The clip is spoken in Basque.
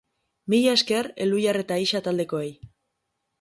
Mila esker Elhuyar eta Ixa taldekoei!